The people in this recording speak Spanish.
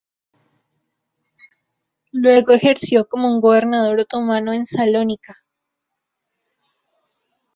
Luego ejerció como un gobernador otomano en Salónica.